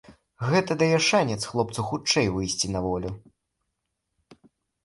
Гэта дае шанец хлопцу хутчэй выйсці на волю.